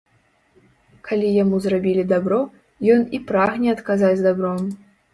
Калі яму зрабілі дабро, ён і прагне адказаць дабром.